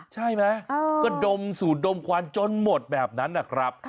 ใช่ไหมก็ดมสูดดมควันจนหมดแบบนั้นนะครับ